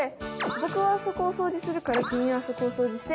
僕はそこを掃除するから君はそこを掃除して」。